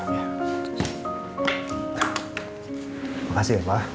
makasih ya pak